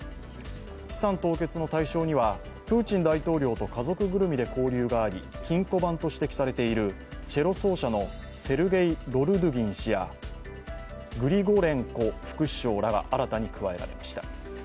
資産凍結の対象にはプーチン大統領と家族ぐるみで交流があり金庫番と指摘されているチェロ奏者のセルゲイ・ロルドゥギン宇治やグリゴレンコ副首相らが新たに加えられました。